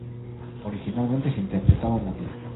Originalmente se interpretaba en latín.